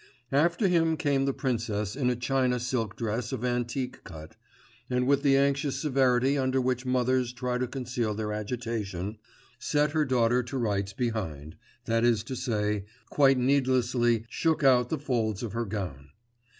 After him came the princess in a china silk dress of antique cut, and with the anxious severity under which mothers try to conceal their agitation, set her daughter to rights behind, that is to say, quite needlessly shook out the folds of her gown.